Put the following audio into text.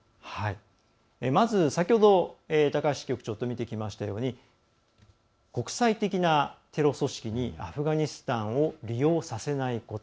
まず、先ほど高橋支局長と見てきましたように国際的なテロ組織にアフガニスタンを利用させないこと。